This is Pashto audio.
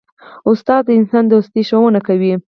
استاد د انسان دوستي ښوونه کوي.